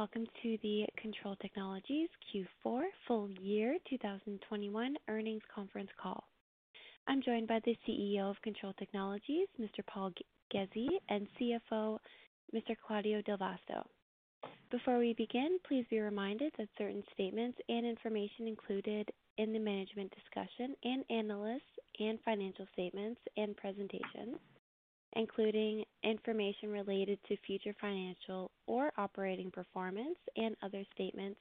Good morning, welcome to the Kontrol Technologies Q4 full year 2021 earnings conference call. I'm joined by the CEO of Kontrol Technologies, Mr. Paul Ghezzi, and CFO, Mr. Claudio Del Vasto. Before we begin, please be reminded that certain statements and information included in the Management's Discussion and Analysis and financial statements and presentations, including information related to future financial or operating performance and other statements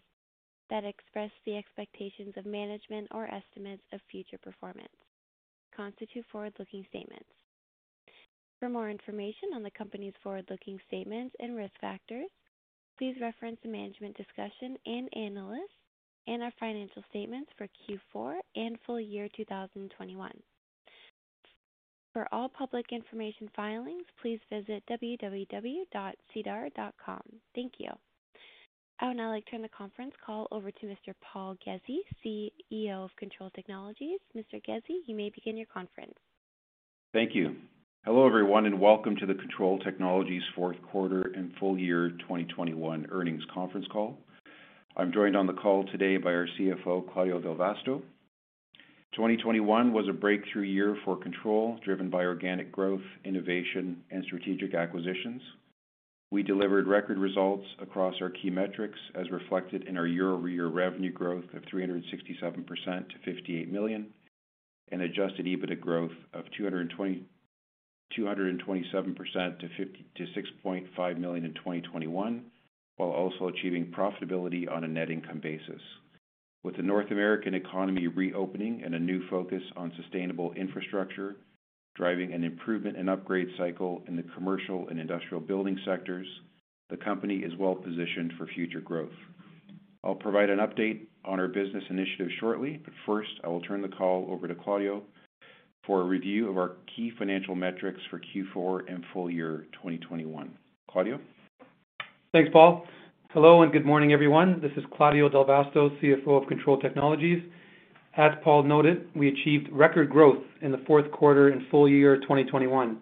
that express the expectations of management or estimates of future performance, constitute forward-looking statements. For more information on the company's forward-looking statements and risk factors, please reference the Management's Discussion and Analysis and the financial statements for Q4 and full year 2021. For all public information filings, please visit www.sedar.com. Thank you. I would now like to turn the conference call over to Mr. Paul Ghezzi, CEO of Kontrol Technologies. Mr. Ghezzi, you may begin your conference. Thank you. Hello, everyone, and welcome to the Kontrol Technologies Q4 and full year 2021 earnings conference call. I'm joined on the call today by our CFO, Claudio Del Vasto. 2021 was a breakthrough year for Kontrol, driven by organic growth, innovation and strategic acquisitions. We delivered record results across our key metrics, as reflected in our year-over-year revenue growth of 367% to 58 million, and adjusted EBITDA growth of 227% to 6.5 million in 2021, while also achieving profitability on a net income basis. With the North American economy reopening and a new focus on sustainable infrastructure, driving an improvement in upgrade cycle in the commercial and industrial building sectors, the company is well positioned for future growth. I'll provide an update on our business initiatives shortly, but first, I will turn the call over to Claudio for a review of our key financial metrics for Q4 and full year 2021. Claudio. Thanks, Paul. Hello, and good morning, everyone. This is Claudio Del Vasto, CFO of Kontrol Technologies. As Paul noted, we achieved record growth in the Q4 and full year 2021.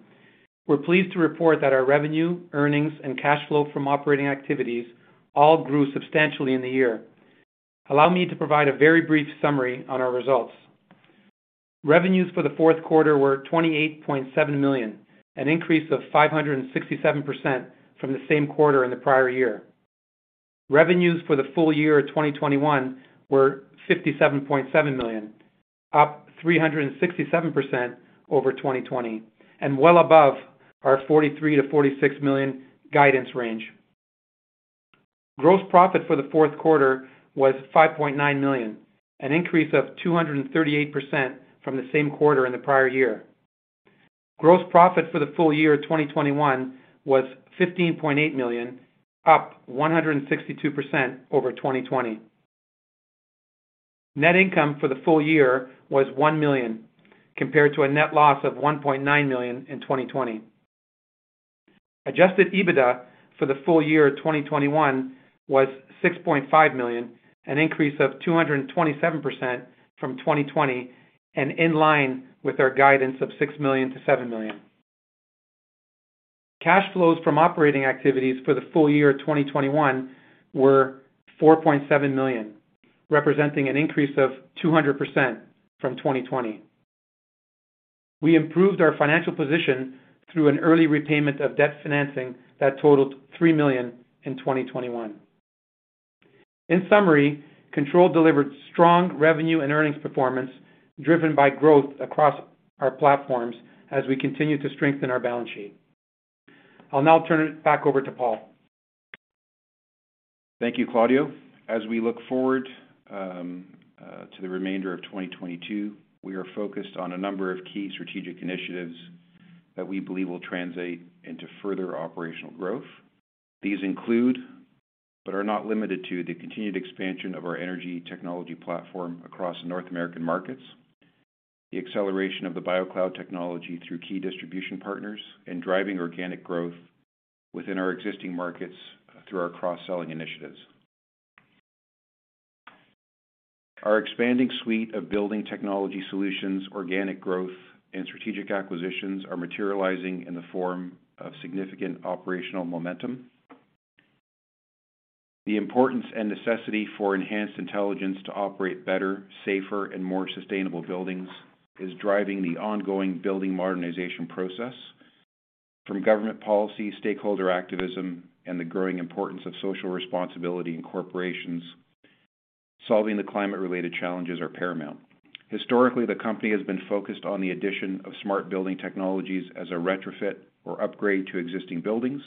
We're pleased to report that our revenue, earnings, and cash flow from operating activities all grew substantially in the year. Allow me to provide a very brief summary on our results. Revenues for the Q4 were 28.7 million, an increase of 567% from the same quarter in the prior year. Revenues for the full year 2021 were 57.7 million, up 367% over 2020 and well above our 43 million-46 million guidance range. Gross profit for the Q4 was 5.9 million, an increase of 238% from the same quarter in the prior year. Gross profit for the full year 2021 was 15.8 million, up 162% over 2020. Net income for the full year was 1 million, compared to a net loss of 1.9 million in 2020. Adjusted EBITDA for the full year 2021 was 6.5 million, an increase of 227% from 2020 and in line with our guidance of 6 million-7 million. Cash flows from operating activities for the full year 2021 were 4.7 million, representing an increase of 200% from 2020. We improved our financial position through an early repayment of debt financing that totaled 3 million in 2021. In summary, Kontrol delivered strong revenue and earnings performance, driven by growth across our platforms as we continue to strengthen our balance sheet. I'll now turn it back over to Paul. Thank you, Claudio. As we look forward to the remainder of 2022, we are focused on a number of key strategic initiatives that we believe will translate into further operational growth. These include, but are not limited to, the continued expansion of our energy technology platform across North American markets, the acceleration of the BioCloud technology through key distribution partners and driving organic growth within our existing markets through our cross-selling initiatives. Our expanding suite of building technology solutions, organic growth and strategic acquisitions are materializing in the form of significant operational momentum. The importance and necessity for enhanced intelligence to operate better, safer and more sustainable buildings is driving the ongoing building modernization process. From government policy, stakeholder activism, and the growing importance of social responsibility in corporations, solving the climate-related challenges are paramount. Historically, the company has been focused on the addition of smart building technologies as a retrofit or upgrade to existing buildings.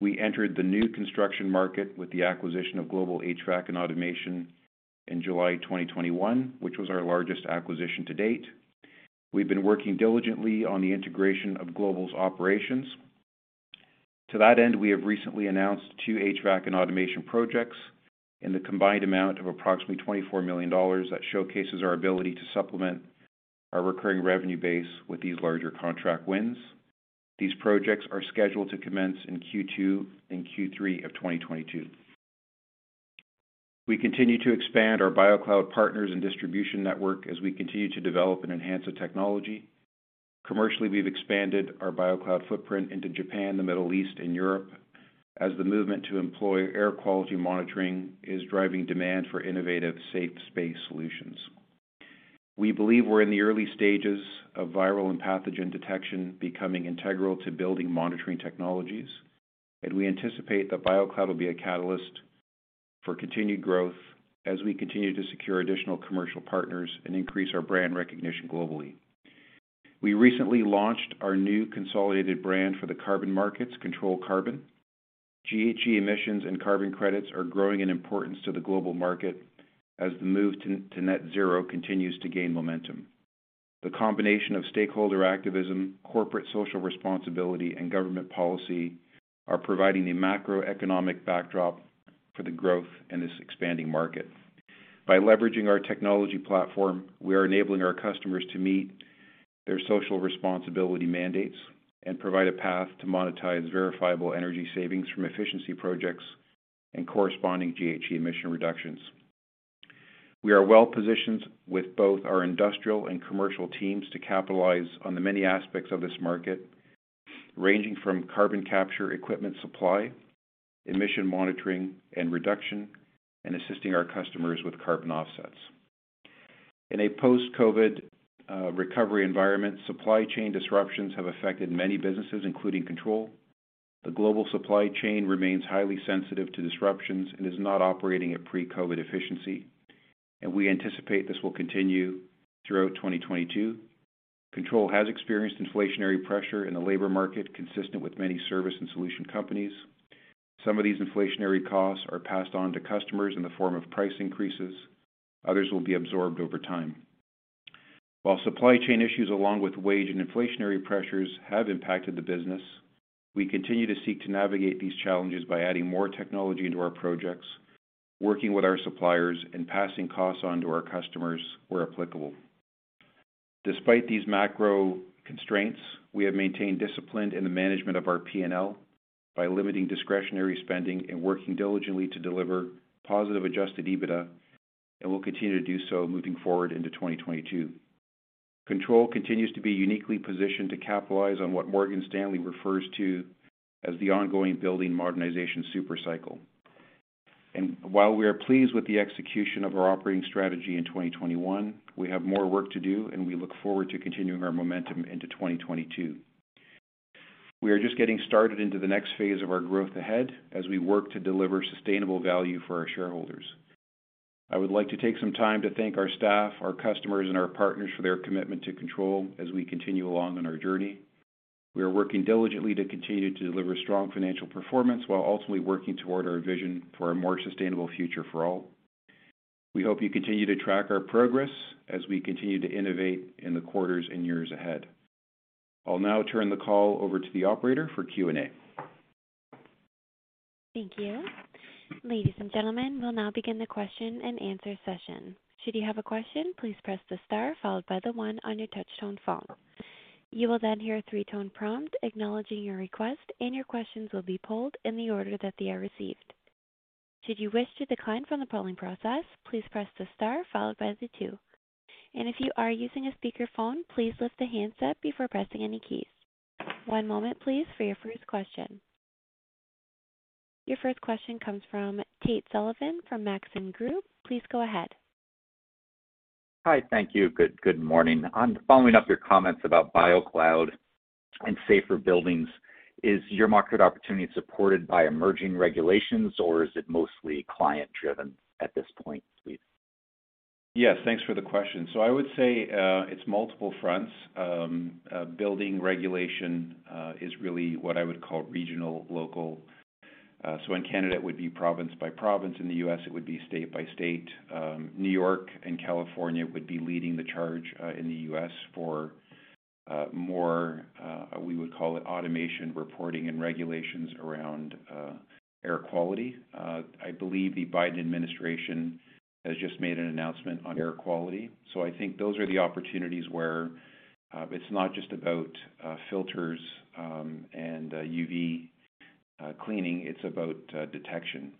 We entered the new construction market with the acquisition of Global HVAC & Automation in July 2021, which was our largest acquisition to date. We've been working diligently on the integration of Global's operations. To that end, we have recently announced two HVAC and automation projects in the combined amount of approximately 24 million dollars that showcases our ability to supplement our recurring revenue base with these larger contract wins. These projects are scheduled to commence in Q2 and Q3 of 2022. We continue to expand our BioCloud partners and distribution network as we continue to develop and enhance the technology. Commercially, we've expanded our BioCloud footprint into Japan, the Middle East, and Europe as the movement to employ air quality monitoring is driving demand for innovative safe space solutions. We believe we're in the early stages of viral and pathogen detection becoming integral to building monitoring technologies, and we anticipate that BioCloud will be a catalyst for continued growth as we continue to secure additional commercial partners and increase our brand recognition globally. We recently launched our new consolidated brand for the carbon markets, Kontrol Carbon. GHG emissions and carbon credits are growing in importance to the global market as the move to net zero continues to gain momentum. The combination of stakeholder activism, corporate social responsibility, and government policy are providing the macroeconomic backdrop for the growth in this expanding market. By leveraging our technology platform, we are enabling our customers to meet their social responsibility mandates and provide a path to monetize verifiable energy savings from efficiency projects and corresponding GHG emission reductions. We are well-positioned with both our industrial and commercial teams to capitalize on the many aspects of this market, ranging from carbon capture equipment supply, emission monitoring and reduction, and assisting our customers with carbon offsets. In a post-COVID recovery environment, supply chain disruptions have affected many businesses, including Kontrol. The global supply chain remains highly sensitive to disruptions and is not operating at pre-COVID efficiency, and we anticipate this will continue throughout 2022. Kontrol has experienced inflationary pressure in the labor market, consistent with many service and solution companies. Some of these inflationary costs are passed on to customers in the form of price increases, others will be absorbed over time. While supply chain issues, along with wage and inflationary pressures have impacted the business, we continue to seek to navigate these challenges by adding more technology into our projects, working with our suppliers, and passing costs on to our customers where applicable. Despite these macro constraints, we have maintained discipline in the management of our P&L by limiting discretionary spending and working diligently to deliver positive adjusted EBITDA, and we'll continue to do so moving forward into 2022. Kontrol continues to be uniquely positioned to capitalize on what Morgan Stanley refers to as the ongoing building modernization super cycle. While we are pleased with the execution of our operating strategy in 2021, we have more work to do, and we look forward to continuing our momentum into 2022. We are just getting started into the next phase of our growth ahead as we work to deliver sustainable value for our shareholders. I would like to take some time to thank our staff, our customers, and our partners for their commitment to Kontrol as we continue along on our journey. We are working diligently to continue to deliver strong financial performance while ultimately working toward our vision for a more sustainable future for all. We hope you continue to track our progress as we continue to innovate in the quarters and years ahead. I'll now turn the call over to the operator for Q&A. Thank you. Ladies and gentlemen, we'll now begin the question and answer session. Should you have a question, please press the star followed by the one on your touch tone phone. You will then hear a three-tone prompt acknowledging your request, and your questions will be polled in the order that they are received. Should you wish to decline from the polling process, please press the star followed by the two. If you are using a speakerphone, please lift the handset before pressing any keys. One moment please for your first question. Your first question comes from Tate Sullivan from Maxim Group. Please go ahead. Hi. Thank you. Good morning. I'm following up your comments about BioCloud and safer buildings. Is your market opportunity supported by emerging regulations or is it mostly client-driven at this point please? Yes. Thanks for the question. I would say it's multiple fronts. Building regulation is really what I would call regional, local. In Canada, it would be province by province. In the U.S., it would be state by state. New York and California would be leading the charge in the U.S. for more, we would call it, automation reporting and regulations around air quality. I believe the Biden Administration has just made an announcement on air quality. I think those are the opportunities where it's not just about filters and UV cleaning, it's about detection.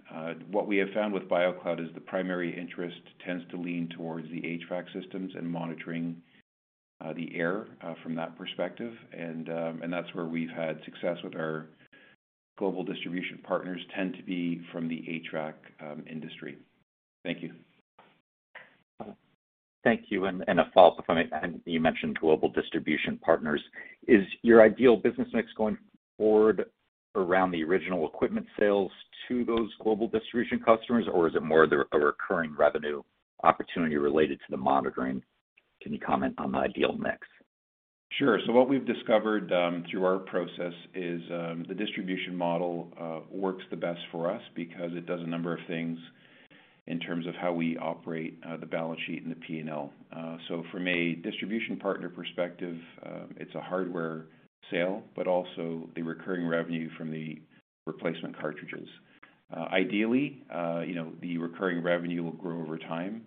What we have found with BioCloud is the primary interest tends to lean towards the HVAC systems and monitoring the air from that perspective. That's where we've had success with our global distribution partners tend to be from the HVAC industry. Thank you. Thank you. A follow-up, if I may. You mentioned global distribution partners. Is your ideal business mix going forward around the original equipment sales to those global distribution customers, or is it more of a recurring revenue opportunity related to the monitoring? Can you comment on the ideal mix? What we've discovered through our process is the distribution model works the best for us because it does a number of things in terms of how we operate the balance sheet and the P&L. From a distribution partner perspective, it's a hardware sale, but also the recurring revenue from the replacement cartridges. Ideally, you know, the recurring revenue will grow over time,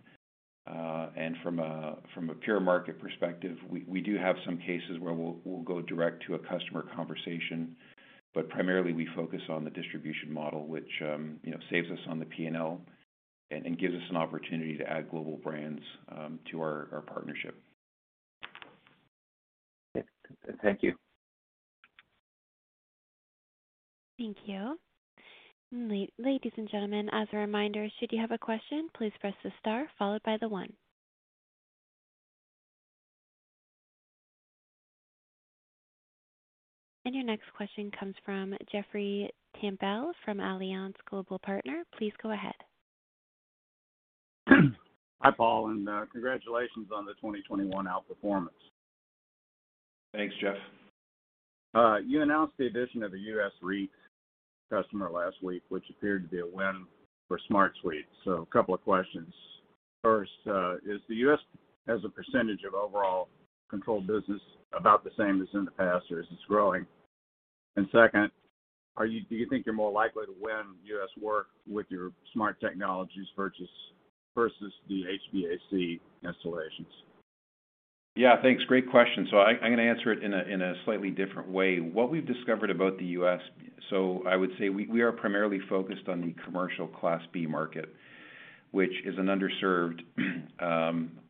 and from a pure market perspective, we do have some cases where we'll go direct to a customer conversation. Primarily, we focus on the distribution model, which, you know, saves us on the P&L and gives us an opportunity to add global brands to our partnership. Okay. Thank you. Thank you. Ladies and gentlemen, as a reminder, should you have a question, please press the star followed by the one. Your next question comes from Jeffrey Campbell from Alliance Global Partners. Please go ahead. Hi, Paul, and congratulations on the 2021 outperformance. Thanks, Jeff. You announced the addition of a U.S. REIT customer last week, which appeared to be a win for SmartSuite. A couple of questions. First, is the U.S. as a percentage of overall controlled business about the same as in the past, or is this growing? Second, do you think you're more likely to win U.S. work with your smart technologies versus the HVAC installations? Yeah, thanks. Great question. I'm gonna answer it in a slightly different way. What we've discovered about the U.S. I would say we are primarily focused on the commercial Class B market, which is an underserved,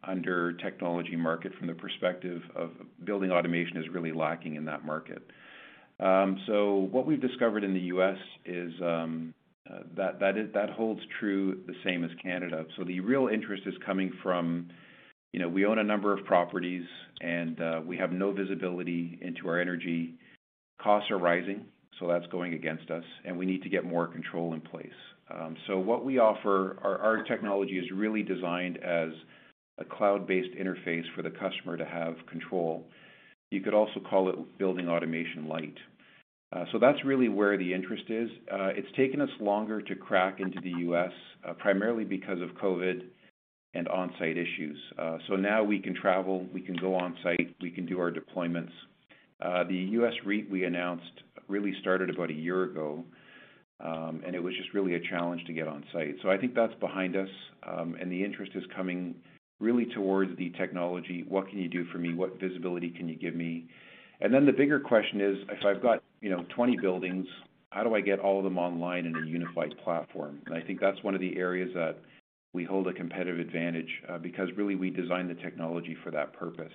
under-technology market from the perspective of building automation is really lacking in that market. What we've discovered in the U.S. is that holds true the same as Canada. The real interest is coming from, you know, we own a number of properties and we have no visibility into our energy costs. Costs are rising, so that's going against us, and we need to get more control in place. What we offer, our technology is really designed as a cloud-based interface for the customer to have control. You could also call it building automation light. That's really where the interest is. It's taken us longer to crack into the U.S., primarily because of COVID and on-site issues. Now we can travel, we can go on-site, we can do our deployments. The U.S. REIT we announced really started about a year ago, and it was just really a challenge to get on-site. I think that's behind us, and the interest is coming really towards the technology. What can you do for me? What visibility can you give me? Then the bigger question is, if I've got, you know, 20 buildings, how do I get all of them online in a unified platform? I think that's one of the areas that we hold a competitive advantage, because really we designed the technology for that purpose.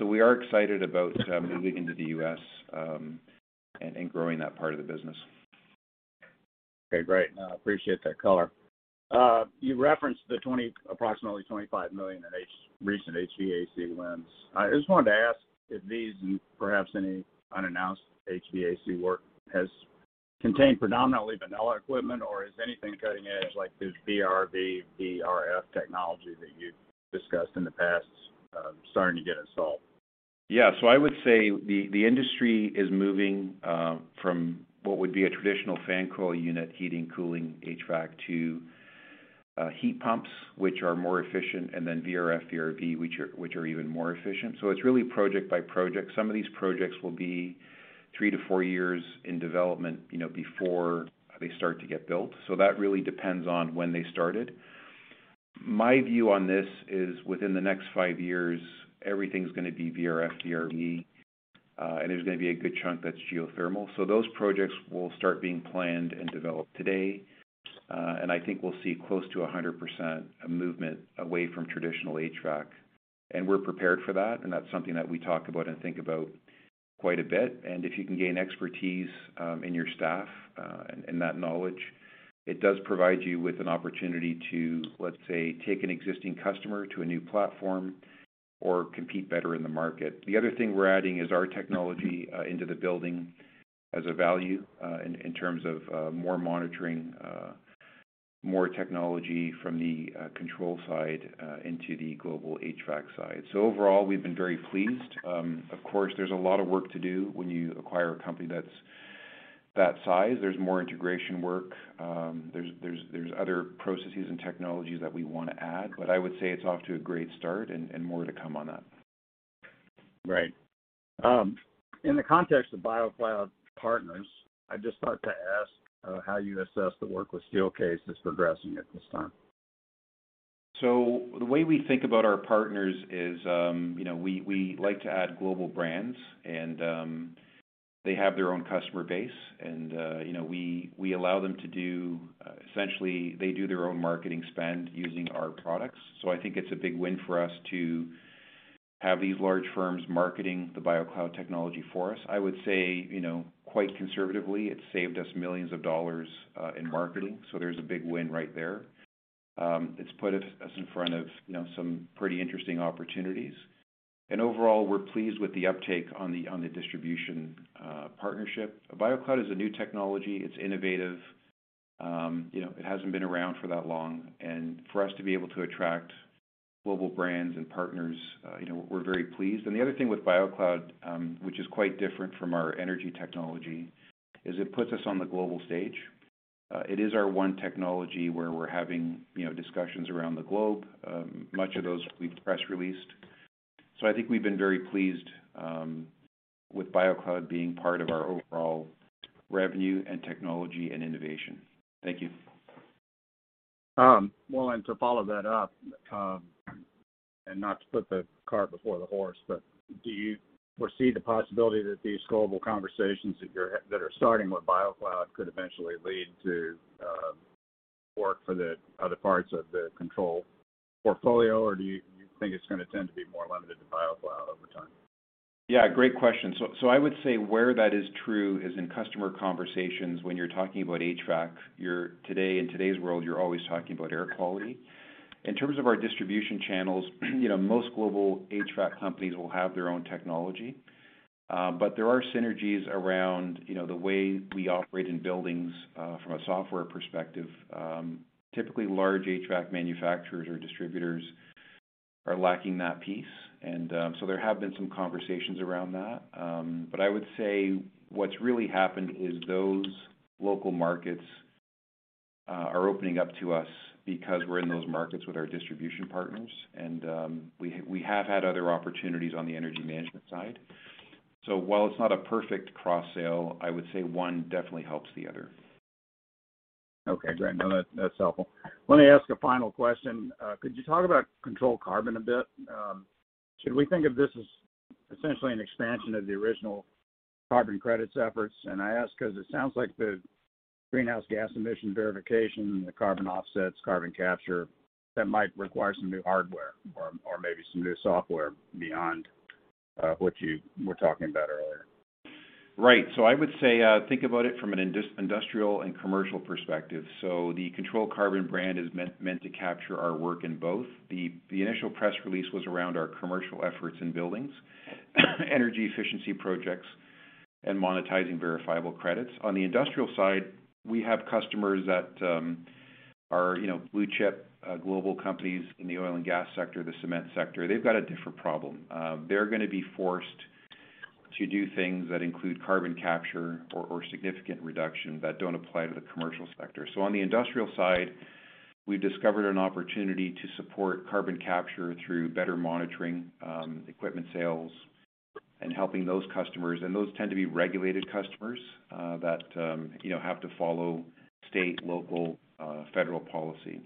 We are excited about moving into the U.S. and growing that part of the business. Okay, great. I appreciate that color. You referenced the approximately 25 million in recent HVAC wins. I just wanted to ask if these and perhaps any unannounced HVAC work has contained predominantly vanilla equipment or is anything cutting edge like the VRV, VRF technology that you've discussed in the past, starting to get installed? Yeah. I would say the industry is moving from what would be a traditional fan coil unit heating, cooling HVAC to heat pumps, which are more efficient, and then VRF, VRV, which are even more efficient. It's really project by project. Some of these projects will be 3-4 years in development, you know, before they start to get built. That really depends on when they started. My view on this is within the next 5 years, everything's gonna be VRF, VRV, and there's gonna be a good chunk that's geothermal. Those projects will start being planned and developed today, and I think we'll see close to 100% movement away from traditional HVAC. We're prepared for that, and that's something that we talk about and think about quite a bit. If you can gain expertise in your staff and that knowledge, it does provide you with an opportunity to, let's say, take an existing customer to a new platform or compete better in the market. The other thing we're adding is our technology into the building as a value in terms of more monitoring, more technology from the control side into the global HVAC side. Overall, we've been very pleased. Of course, there's a lot of work to do when you acquire a company that's that size. There's more integration work. There's other processes and technologies that we wanna add. I would say it's off to a great start and more to come on that. Right. In the context of BioCloud partners, I just thought to ask, how you assess the work with Steelcase that's progressing at this time? The way we think about our partners is, you know, we like to add global brands and, they have their own customer base and, you know, we allow them to do essentially they do their own marketing spend using our products. I think it's a big win for us to have these large firms marketing the BioCloud technology for us. I would say, you know, quite conservatively, it's saved us millions of dollars in marketing. There's a big win right there. It's put us in front of, you know, some pretty interesting opportunities. Overall, we're pleased with the uptake on the distribution partnership. BioCloud is a new technology. It's innovative. You know, it hasn't been around for that long. For us to be able to attract global brands and partners, you know, we're very pleased. The other thing with BioCloud, which is quite different from our energy technology, is it puts us on the global stage. It is our one technology where we're having, you know, discussions around the globe. Much of those we've press released. I think we've been very pleased with BioCloud being part of our overall revenue and technology and innovation. Thank you. Well, to follow that up, and not to put the cart before the horse, but do you foresee the possibility that these global conversations that are starting with BioCloud could eventually lead to work for the other parts of the Kontrol portfolio, or do you think it's gonna tend to be more limited to BioCloud over time? Yeah, great question. I would say where that is true is in customer conversations. When you're talking about HVAC, you're today, in today's world, you're always talking about air quality. In terms of our distribution channels, you know, most global HVAC companies will have their own technology. There are synergies around, you know, the way we operate in buildings from a software perspective. Typically, large HVAC manufacturers or distributors are lacking that piece. There have been some conversations around that. I would say what's really happened is those local markets are opening up to us because we're in those markets with our distribution partners. We have had other opportunities on the energy management side. While it's not a perfect cross-sale, I would say one definitely helps the other. Okay, great. No, that's helpful. Let me ask a final question. Could you talk about Kontrol Carbon a bit? Should we think of this as essentially an expansion of the original carbon credits efforts? I ask 'cause it sounds like the greenhouse gas emission verification, the carbon offsets, carbon capture, that might require some new hardware or maybe some new software beyond what you were talking about earlier. Right. I would say, think about it from an industrial and commercial perspective. The Kontrol Carbon brand is meant to capture our work in both. The initial press release was around our commercial efforts in buildings, energy efficiency projects, and monetizing verifiable credits. On the industrial side, we have customers that are, you know, blue chip global companies in the oil and gas sector, the cement sector. They've got a different problem. They're gonna be forced to do things that include carbon capture or significant reduction that don't apply to the commercial sector. On the industrial side, we've discovered an opportunity to support carbon capture through better monitoring, equipment sales and helping those customers. Those tend to be regulated customers that you know have to follow state, local, federal policy.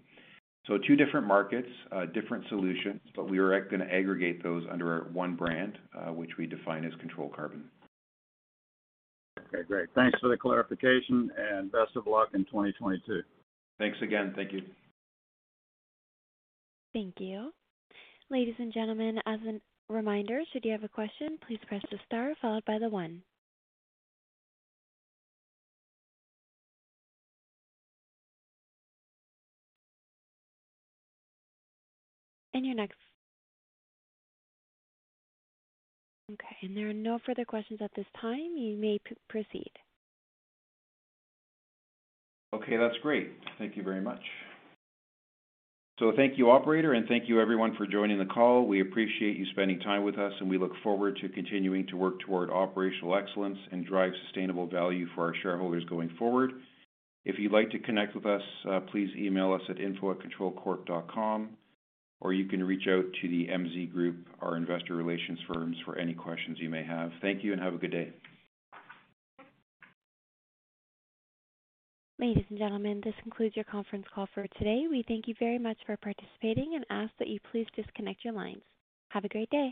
Two different markets, different solutions, but we are gonna aggregate those under our one brand, which we define as Kontrol Carbon. Okay, great. Thanks for the clarification, and best of luck in 2022. Thanks again. Thank you. Thank you. Ladies and gentlemen, as a reminder, should you have a question, please press the star followed by the one. You're next. Okay, there are no further questions at this time. You may proceed. Okay, that's great. Thank you very much. Thank you, operator, and thank you everyone for joining the call. We appreciate you spending time with us, and we look forward to continuing to work toward operational excellence and drive sustainable value for our shareholders going forward. If you'd like to connect with us, please email us at info@kontrolcorp.com, or you can reach out to the MZ Group, our investor relations firm, for any questions you may have. Thank you and have a good day. Ladies and gentlemen, this concludes your conference call for today. We thank you very much for participating and ask that you please disconnect your lines. Have a great day.